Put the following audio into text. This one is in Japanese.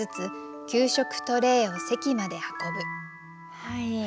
はい。